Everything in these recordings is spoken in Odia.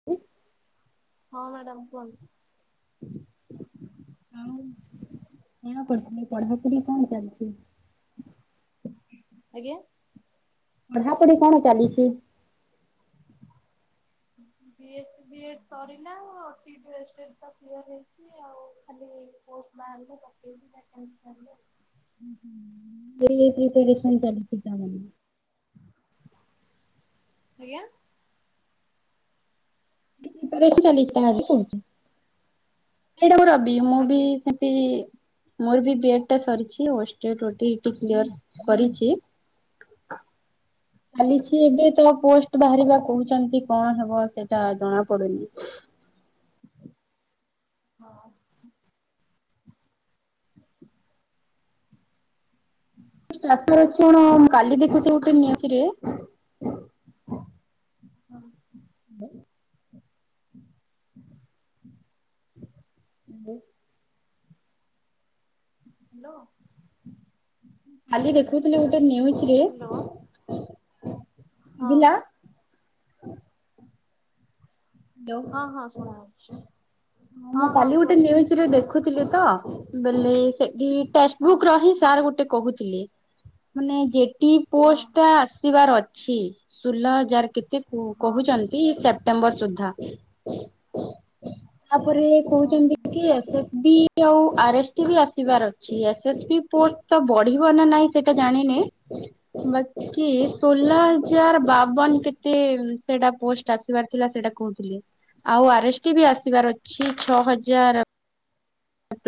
[unintelligible] ହଁ ମ୍ୟାଡମ କୁହନ୍ତୁ। ଆଉ କଣ କରୁଥିଲେ ପଢାପଢି କଣ ଚାଲିଛି? ଆଜ୍ଞା। ପଢାପଢି କଣ ଚାଲିଚି? ବି ଏସ୍ ବି ଏଡ଼୍ ସରିଲା ଟି ଡି ଏସ ତ କ୍ଲୀୟର ହେଇଚି ଆଉ ଖାଲି ପୋଷ୍ଟ ବାହାରିଲେ ପକେଇବି ଭାକେନ୍ସି ବାହାରିଲେ ଆଉ। [unintelligible] ପ୍ରିପେରେସନ୍ ଚାଲିଛିି ତାମାନେ। ଆଜ୍ଞା। ଚାଲିଜି କହୁଚି। ସେଇଟାକୁ ରବି ମୁଁ ବି ଆଜ୍ଞା ବି ମୋର ବି ଏଡ ଟା ସରିଚି ଓ S T E T clear କରିଚି। ଚାଲିଚି ଏବେ ହଁ ତ ପୋଷ୍ଟ ବାହାରିବା କହୁଚନ୍ତି କଣ ହବ ସେଇଟା ଜଣା ପଡିନି। ହଁ। [inaudible] ଅଛି ଘରେ କଣ ସମସ୍ତେ ଭଲ କାଲି ଅଛନ୍ତି? ଦେଖୁଚି ଗୋଟେ ନିୟୁଜରେ ହଁ। [inaudible] [inaudible] [inaudible] ହାଲୋ। କାଲି ଦେଖଉଥିଲା ଗୋଟେ ନିୟୁଜ୍ ରେ ହ୍ୟାଲୋ ହଁ ଶୁବିଲା? ହ୍ୟାଲୋ। ହଁ ହଁ ଶୁଣାଯାଉଚି। ହଁ ମୁଁ କାଲି ଗୋଟେ ନିୟୁଜ୍ ରେ ଦେଖୁଥିଲି ତ। ବଲେ ସେଠି ଟେସ୍ ହଁ ବୁକ୍ ର ହିସ୍ ସାର୍ ଗୋଟେ କହୁଥିଲି ମାନେ ଯେଟି ହଁ ପୋଷ୍ଟ ଟା ଆସିବାର ଅଛି। ସୁଲ ହଜାର କେତେ ହଁ କହୁଚନ୍ତି ସେପ୍ଟେମ୍ବର ସୁଦ୍ଧା। ତାପରେ ହୁଁ କହୁଛନ୍ତି କି ଏସ୍ ଏସ୍ ବି ଆଉ ଆର୍ ଏସ୍ ଟି ବି ଆସିବାର ଅଛି ଏସ୍ ଏସ୍ ବି ପଷ୍ଟ ଟା ବଢିବ ନା ନାଇଁ ସେଇଟା ଜାଣିନି ବାକି ହଁ ଶୁହଲ ହଜାର ବାବନ କେତେ ସେଟା ପୋଷ୍ଟ ଆସିବାର ଥିଲା ସେଟା କହୁଥିଲି। ଆଉ ଆର ଏସ୍ ଟି ବି ଆସିବାର ଅଛି ଛଅ ହଜାର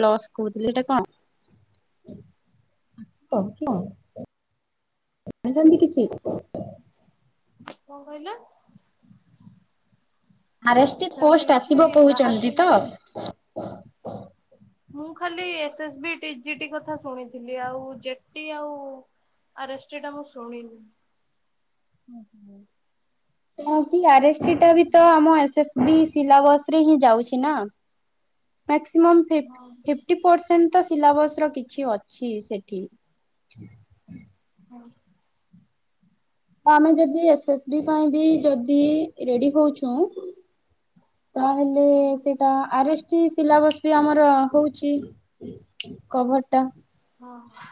ପ୍ଲସ୍ କହୁଥିଲି ଏଟା କଣ? କହୁଥିଲ ଆଉ। ଏତେ ଜଲଦି କିଛି ହୋଇପାରି କଣ କହିଲ? ଆରେଷ୍ଟି ପୋଷ୍ଟ ସେମିତି ଆସିବ କିଛି କହୁଛନ୍ତି ତ? ବାହାରଚିନା ମୁଁ ଖାଲି S S B T G T କଥା ଶୁଣିଥିଲି ଆଉ ଜେଟି ଆଉ ଆ ର ଏସ ଟି ଟା ମୁଁ ଶୁଣିନି। କାହିଁକି ଆର ଏସ୍ ଟି ଟା ବି ତ ଆମ ବି ସିଲାବସ ରେ ହିଁ ଯାଉଚି ନା ମ୍ୟାକ୍ସିମମ୍ ହଁ ଫିପ୍ଟି ପର୍ସ ପର୍ଷେଣ୍ଟ ତ ସିଲାବସ ରେ କିଛି ଅଛି ସେଠି। ହଁ। ତ ଆମେ ଯଦି ଏସ୍ ଏସ୍ ବି ପାଇଁ ବି ଯଦି ରେଡି ହଉଚୁ ତାହେଲେ ହଁ ସେ ଆର ଏସ୍ ଟି ସିଲାବସ ବି ଆମର ହଉଚି କଭ ହଁ ହଁ।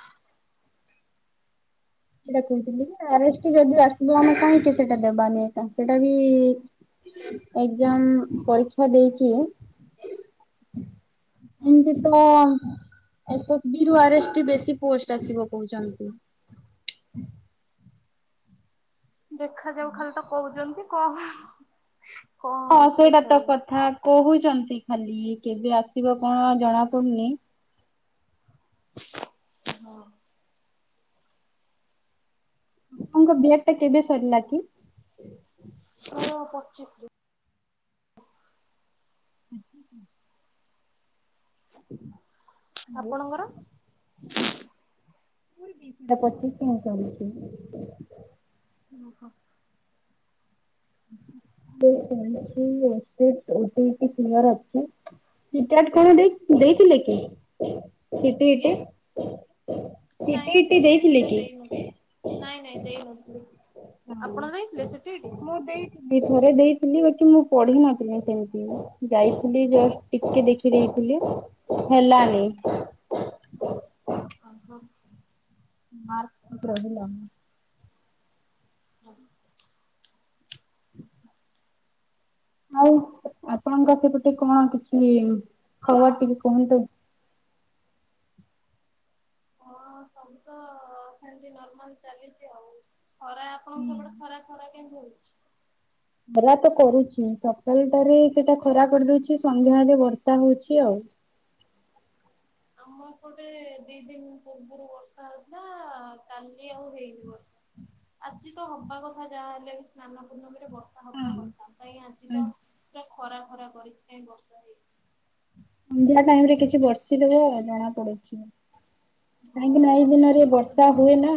ସେଇଟା କହୁଥିଲି କି ଆ ଏସ୍ ଟି ଯଦି ଆସିବ ଆମେ କାହିଁକି ସେଟା ଦେବାନି ଆକା। ସେଟା ବି ଏକଜାମ ପରୀକ୍ଷା ଟା ଦେଇକି ଈନତି ତ ଏସ୍ ଏସ୍ ବି ରୁ ଆର୍ ଏସ୍ ଟି ବେଶୀ ପୋଷ୍ଟ ଆସିବ କହୁଛନ୍ତି। ଦେଖାଯାଉ ଖାଲି ତ କହୁଛନ୍ତି କଣ ହ ହଁ ସେଇଟା ତ କଥା କହୁଚନ୍ତି ଖାଲି କେବେ ଆସିବ କଣ ଜଣା ପଡୁନି। ହଁ। ତାଙ୍କ ଡେଟ୍ ଟା କେବେ ସରିଲା କି? ମୋର ପଚିଶ ରୁ। [inaudible] ଆପଣଙ୍କର? ସେଟା ପଚିଶ ହି ଚାଲିଚି। ଓହୋ। [unintelligible] ଅ ଟି ଇ ଟି କ୍ଲିୟର ଅଛି। ସି ଟେଟ୍ କଣ ଦେଇ ଦେଇଥିଲେ କି? ଆଜ୍ଞା ଟିଟି ନାଇଁ ସିଟିଇଟି ଟା ଦେଇନୁ। ନାଇଁ ନାଇଁ ଦେଇନଥିଲି। ଆପଣ ଦେଇଥିଲେ ସିଟିଇଟି? ସେଇ ଦି ଥରେ ଦେଇଥିଲି ବାକି ମୁଁ ପଢି ନଥିଲି ସେମତି। ଯାଇଥିଲି ଜଷ୍ଟ ଟିକେ ଦେଖି ଦେଇଥିଲେ ହେଲାନି। ଓ ହଁ। ମାର୍କ ରହିଲାନି। ହଁ। [inaudible] ଆଉ [inaudible] ଆପଣଙ୍କ ପାଖେ ଗୁଟେ କଣ କିଛି ଖବର ଟିକେ କୁହନ୍ତୁ? ହଁ ସବୁ ତ ସେମିତି ନର୍ମାଲ ଚାଲିଚି ଆଉ। ଖରା ଆପଣଙ୍କ ହୁଁ। ସେପଟେ ଖରା ଖରା କେମିତି ହଉଛି? ଖରା ତ କରୁଛି ସକାଳଟାରେ ଏ ସେଟା ଖରା କରିଦଉଛି। ସନ୍ଧ୍ୟାାରେ ବର୍ଷା ହଉଛି ଆଉ। ଆମ ଏପଟେ ଦି ଦିନ ପୂର୍ବରୁ ବର୍ଷା ହେଉଥିଲା। କାଲି ଆଉ ହେଇନି ବର୍ ଆଜି ତ ହବା କଥା ଯାହାହେଲେ ବି ସ୍ନାନ ପୂଣ୍ଣମୀରେ ବର୍ ଷା ହବା ହଁ। କଥା କାଇଁ ଆଜି ତ ପୁରା ଖରା ଖରା କରିଛି କାଇଁ ବର୍ଷା ହେଇନି। ସନ୍ଧ୍ୟା ଟାଇମ୍ ରେ କିଛି ବର୍ଷିଦବ ଆଉ ଜଣା ପଡୁଛି। ହଁ କାହିଁକି ନା ଏଇ ସନ୍ଧ୍ୟା ଦିନରେ ବେଳେ ବର୍ଷା ଯଦି ହବ ହୁଏ ନା।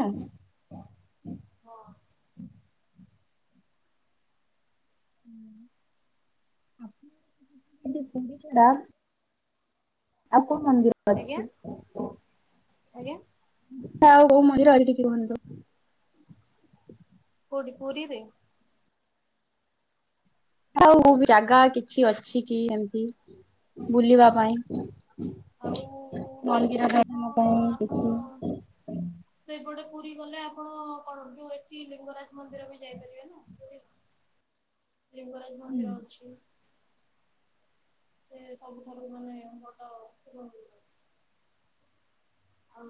ହଁ। [inaudible] ଏମତି ପୁଣ୍ଡିଚେରା, ଆଉ କୋଉ ମନ୍ଦିର ଅଛି? ଆଜ୍ଞା, ଆଜ୍ଞା। ଛା ଆଉ କୋଉ ମନ୍ଦିର ଏଠି ଟିକି କୁହନ୍ତୁ? କୋଉଠି ପୁରୀରେ? ନା ଆଉ କୋଉବି ଜାଗା କିଛି ଅଛି କି ଏମତି ବୁଲିବା ପାଇଁ ଆଉ ମନ୍ଦିର ହଁ ଦର୍ଶନ ପାଇଁ ଆପଣ କିଛି। ସେଇପଟେ ପୁରୀ ଗଲେ ଆପଣ କଣ ଯୋଉ ଏଠି ଲିଙ୍ଗରାଜ ମନ୍ଦିର ବି ଯାଇପାରିବେ ନା। ପୁରୀ ଲିଙ୍ଗରାଜ ହୁଁ। ମନ୍ଦିର ଅଛି। ସେ ସବୁଠାରୁ ମାନେ ବଡ ଶିବ ମନ୍ଦିର। ଆଉ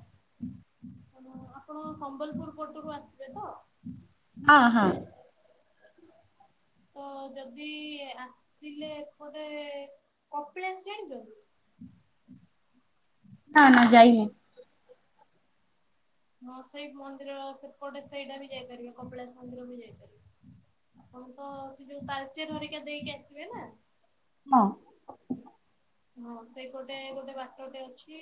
[unintelligible] ହୁଁ ହଁ ଆଉ ମୁଁ ଆପଣ ସମ୍ବଲପୁର ପଟରୁ ଆସିବେ ତ? ହଁ, ହଁ। ତ ଯଦି ଆସିଲେ ଏପଟେ କପିଳାସ ଜାଣିଚନ୍ତି? ନା ନା ଯାଇନି। ହଁ ସେଇ ମନ୍ଦିର ସେପଟେ ସେଇଟା ବି ଯାଇପାରିବେ। କପିଳାସ ମନ୍ଦିର ବି ଯାଇପାରିବେ। ଆପଣ ତ ସେ ଯୋଉ ତାଳଚେର ହରିକା ଦେଇକି ଆସିବେ ନା? ହଁ। ହଁ ସେଇ ପଟେ ଗୋଟେ ବାଟ ଟେ ଅଛି,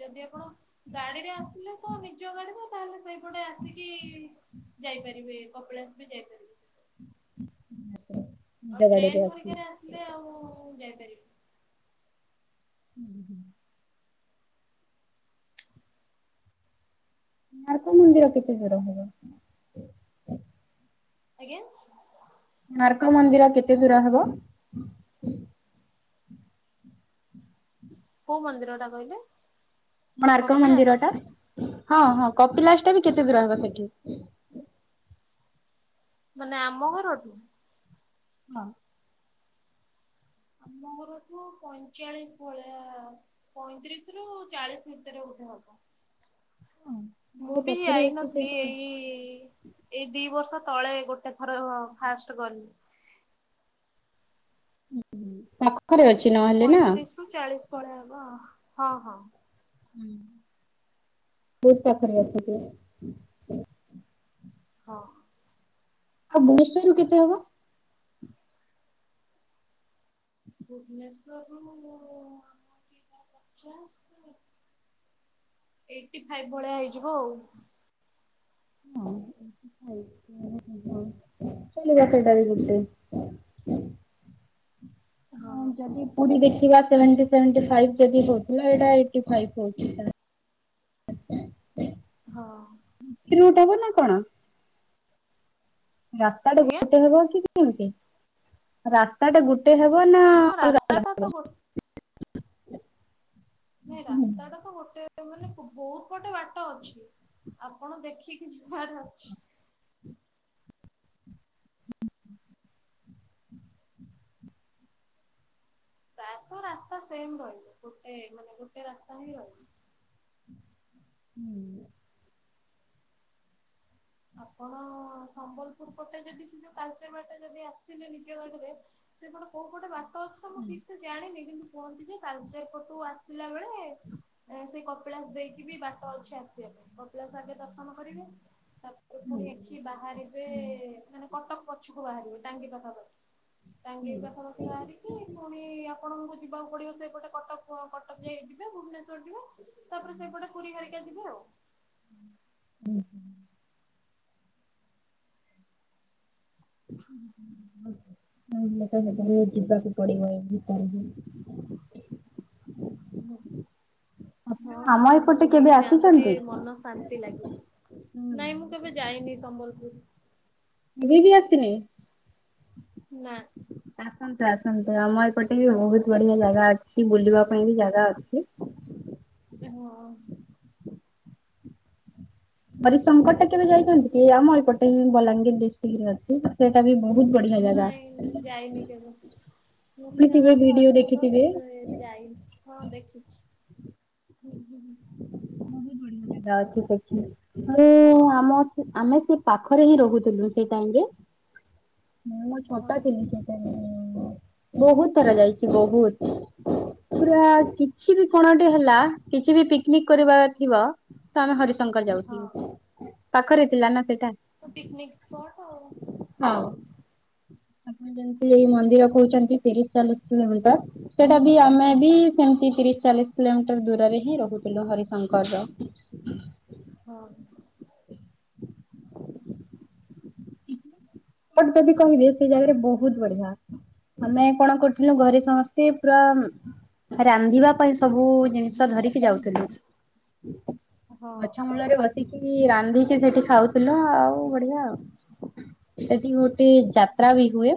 ଯଦି ଆପଣ ଗାଡିରେ ଆସିଲେ ତ ନିଜ ଜ ଗାଡିରେ ତାହେଲେ ସେଇପଟେ ଆସିକି ଯାଇପାରିବେ, କପିଳାସ ବି ଯାଇପାରିବେ। [inaudible] ଆଉ ଗାଡିରେ ଟ୍ରେନ୍ ଅଛି। ହରିକାରେ ଆସିଲେ ଆଉ ଯାଇପାରିବେନି। ଉଁ, ହୁଁ। ନାଲକ୍ ମନ୍ଦିର କେତେ ଦୂର ହେବ? ଆଜ୍ଞା। ନାରକ୍ ମନ୍ଦିର କେତେ ଦୂର ହେବ? କୋଉ ମନ୍ଦିର ଟା କହିଲେ? କୋଣାର୍କ କପିଳାସ ମନ୍ଦିର ଟା ହଁ, ହଁ କପିଲାସ ଟା ବି କେତେ ଦୂର ହେବ ସେଠି? ମାନେ ଆମ ଘରଠୁ। ହଁ। ଆମ ଘରଠୁ ପଇଁଚାଳିଶ ଭଳିଆ ପଇଁତିରିଶରୁ ଚାଳିଶ ଭିତରେ ବୋଧେ ହବ। ମୁଁ ହଁ ବି ପାଖରେ ଆଇ ଅଛି ନଥିଲି ସେଇଟା। ଏଇ-ଇ-ଇ-ଇ ଏଇ ଦି ବର୍ଷ ତଳେ ଗୋଟେ ଥର ଫାଷ୍ଟ୍ ଗଲି। ହୁଁ-ହୁଁ ପାଖରେ ଅ। [inaudible] ପଇଁତିରି ରୁ ଚାଳିଶ ଭଳିଆ ହବ, ହଁ- ହଁ। ହୁଁ-ହୁଁ ବହୁତ ପାଖରେ ରଖୂଥିବେ। ହଁ। ଆଉ ବସ୍ [unintelligible] ରୁ କେତେ ହବ? ହ ଭୁବନେଶ୍ବରରୁ-ଉ-ଉ-ଉ-ଉ-ଉ [inaudible] ପଚାଶ। ଏଇଟି ଫାଇଭ୍ ଭଳିଆ ହେଇଯିବ ଆଉ। ଚଳିବ ସେଇଟା ବି ଗୋଟେ। ହଁ ହଁ। ଯଦି ପୁରୀ ଦେଖିବା ସେଭେନ୍ଟି ସେଭେନ୍ଟି ଫାଇବ୍ ଯଦି ହେଉଥିଲା ଏଇଟା ଏଇଟି ଫାଇବ୍ ହେଉ। [inaudible] ହଁ। [unintelligible] ନା କଣ? ରାସ୍ତାଟେ ଆଜ୍ଞା ଗୋଟେ ହେବ କି କେମିତି? ରା [inaudible] ଗୋଟେ ହେବ ନା ଅଲଗା ରାସ୍ତା ଟା ଅଲଗା ତ ହେବ? ଗୋ ନାଇଁ ରାସ୍ତାଟା ତ ଗୋଟେ ମାନେ ବହୁତ ପଟେ ବାଟ ଅଛି। ଆପଣ ଦେଖିକି ଯିବାର ଅଛି। ତା ତ ରାସ୍ତା ସେମ୍ ରହିବ ଗୋଟେ ମାନେ ଗୋଟେ ରାସ୍ତା ହିଁ ରହିବ। ହୁଁ। ଆପଣଅ-ଅ-ଅ-ଅ ସମ୍ବଲପୁର ପଟେ ଯଦି ସେ ଯୋଉ ତାଳଚେର ବାଟେ ଯଦି ଆସିଲେ ନିଜ ଗାଡିରେ। ସେପଟେ କୋଉ ପଟେ ବାଟ ଅଛି ନା ମୁଁ ଠିକସେ ଜାଣିନି କିନ୍ତୁ କୁହନ୍ତି ଯେ ତାଳଚେର ପଟୁ ଆସିଲା ବେଳେ ସେଇ କପିଳାସ ଦେଇକି ବି ବାଟ ଅଛି ଆସିବା ପାଇଁ କପିଳାସ ଆଗେ ଦର୍ଶନ କରିବେ। ତାପରେ ପୁଣି ଏଠି ବାହାରିବେଏ-ଏ ମାନେ କଟକ ପଛକୁ ବାହାରିବେ ଟାଙ୍ଗି ପାଖାପାଖି। ଟାଙ୍ଗୀ ପାଖାପାଖି ବାହାରିକି ପୁଣି ଆପଣଙ୍କୁ ଯିବାକୁ ପଡିବ ସେପଟେ କଟକ କଟକ ଯ ଯିବେ ଭୁବନେଶ୍ଵର ଯିବେ। ତାପରେ ସେଇପଟେ ପୁରୀ ହେରିକା ଯିବେ ଆଉ। ହୁଁ-ହୁଁ। [inaudible] ଯିବାକୁ ପଡିବ ଏଇ ଭିତରେ ହି। ଆପଣ ହଁ ଆମ ଆସନ୍ତୁ ଏପଟେ କେବେ ବୁଲିକି ଯାଆନ୍ତୁ ଆସିଛନ୍ତି? ଟିକେ ମନ ଶାନ୍ତି ଲାଗିବ। ହୁଁ। ନାଇଁ ମୁଁ କେବେ ଯାଇନି ସମ୍ବଲପୁର। [unintelligible] ଆାସିନି ନା। ଆସନ୍ତୁ ଆସନ୍ତୁ ଆମ ଏପଟେ ବହୁତ ବଢିଆ ଜାଗା ଅଛି ବୁଲିବା ପାଇଁ ବି ଜାଗା ଅଛି। ଯିବୁ ଆଉ ହରିଶଙ୍କରଟା କେବେ ଯାଇଛନ୍ତି କି? ଆମ ଏପଟେ ହି ବଲାଙ୍ଗୀର ଡିଷ୍ଟ୍ରିକ୍ ରେ ଅଛି। ସେଇଟା ବି ବହୁତ ବଢିଆ ଜାଗା। ନାଇଁ ଯାଇନି କେବେ। ଦେଖିଥିବେ ନୃସିଂହନାଥ ଭିଡିଓ ହରିଶଙ୍କର ଦେଖିଥିବେ କେବେ ଯାଇନି। ହଁ ଦେଖିଛି ହୁଁ-ହୁଁ। ବହୁତ ବଢିଆ ଜାଗା ଅଛି ସେଠି ମୁଁ ଆମ ସେ ଆମେ ସେ ପାଖରେ ହିଁ ରହୁଥିଲୁ। ସେ ଟାଇମରେ, ମୁଁ ହଁ ଛୋଟ ଥିଲି ସେ ଟାଇମରେ ବହୁତ। କରାଯାଇଛି ବହୁତ, ପୁରା କିଛି ବି କଣ ଗୋଟେ ହେଲା କିଛି ବି ପିକନିକ୍ କରିବାର ଥିବ ତ ଆମେ ହରିଶଙ୍କର ହଁ। ଯାଉଥିଲୁ, ପାଖରେ ଥିଲା ନା ସେଇଟା। ପିକନିକ ସ୍ପଟ ଆଉ। ହଉ ଆପଣ ଯେମିତି ଏଇ ମନ୍ଦିର କହୁଛନ୍ତି ତିରିଶ ଚାଲିଶ କିଲୋମିଟର ସେଟାବି ଆମେ ବି ସେମିତି ତିରିଶ ଚାଳିଶ କିଲୋମିଟର ଦୂରରେ ହିଁ ରହୁଛୁ। ଥିଲୁ ହରିଶଙ୍କର ର ହଁ। [inaudible] [inaudible] ଏଫଟ ଯଦି କହିବେ ସେ ଜାଗାରେ ବହୁତ ବଢିଆ। ଆମେ କଣ କରୁଥିଲୁ ଘରେ ସମସ୍ତେ ପୁରା ରାନ୍ଧିବା ପାଇଁ ସବୁ ଜିନିଷ ଧରିକି ଯାଉଥିଲୁ ହଁ ଗଛ ମୂଳରେ ବସିକି ରାନ୍ଧିକି ସେଠି ଖାଉଥିଲ ଆଉ ବଢିଆ ଆଉ। ସେଠି ଗୋଟେ ଯାତ୍ରା ବି ହୁଏ।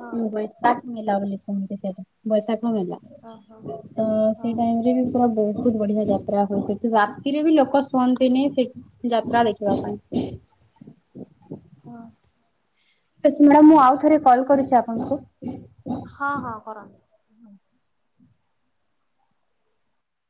ହଁ ମେଲା ବୋଲି କୁହନ୍ତି ସେଇଟା ବୈଶାଖ ମେଲା ଓହୋ ତ ହଁ ସେଇ ଟାଇମ ରେ ବି ପୁରା ବହୁତ ବହୁତ ବଢିଆ ଯାତ୍ରା ହୁଏ ସେଠି ରାତିରେ ବି ଲୋକ ଶୁଅନ୍ତିନି ସେଠି ଯାତ୍ରା ଦେଖିବା ପାଇଁ। ଠିକ ହଁ। ସେଠି ମ୍ୟାଡ଼ାମ ମୁଁ ଆଉ ଥରେ କଲ କରୁଚି ଆପଣଙ୍କୁ। ହଁ ହଁ କରନ୍ତୁ।